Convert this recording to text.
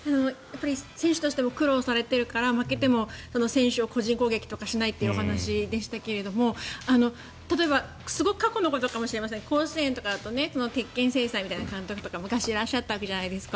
選手としても苦労されてるから負けても選手を個人攻撃とかしないというお話でしたが例えば過去のことかもしれませんが甲子園とかだと鉄筋制裁みたいな監督とか昔はいらっしゃったわけじゃないですか。